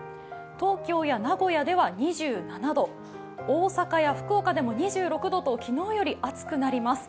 東京や名古屋では２７度、大阪や福岡でも２６度と昨日より暑くなります。